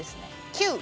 ９！